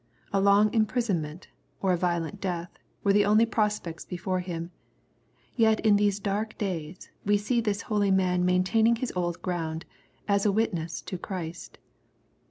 A long imprison ment, or a violent death, were the only prospects before him. Yet even in these dark days, we see this holy man maintaining his old ground, as a witness to Christ.